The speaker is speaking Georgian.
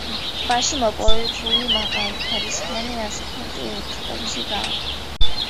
ტბაში მოპოვებული მაღალხარისხიანი ასფალტი ექსპორტზე გააქვთ.